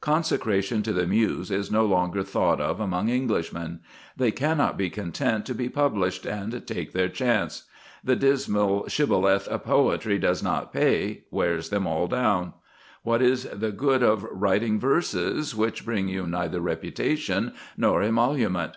Consecration to the muse is no longer thought of among Englishmen. They cannot be content to be published and take their chance. The dismal shibboleth, "Poetry does not pay," wears them all down. What is the good of writing verses which bring you neither reputation nor emolument?